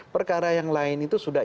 perkara yang lain itu sudah